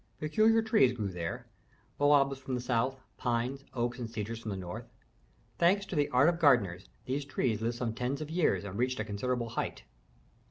Peculiar trees grew there: baobabs from the south; pines, oaks, and cedars from the north. Thanks to the art of gardeners, these trees lived some tens of years and reached a considerable height.